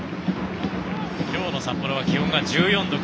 今日の札幌は気温が１４度。